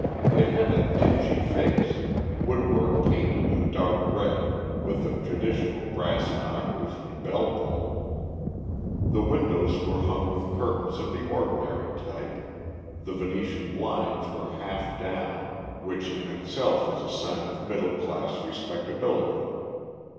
It had a dingy face, woodwork painted a dark red with the traditional brass knocker and bell pull. The windows were hung with curtains of the ordinary type, the Venetian blinds were half down, which in itself is a sign of middle class respectability.